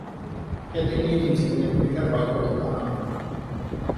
Это не единственный пример бойкота Канады.